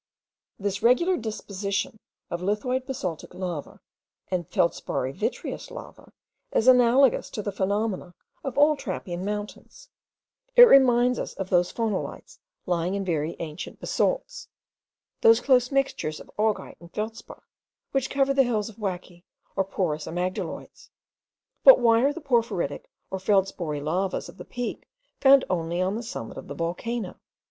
This regular disposition of lithoid basaltic lava and feldsparry vitreous lava is analogous to the phenomena of all trappean mountains; it reminds us of those phonolites lying in very ancient basalts, those close mixtures of augite and feldspar which cover the hills of wacke or porous amygdaloids: but why are the porphyritic or feldsparry lavas of the Peak found only on the summit of the volcano?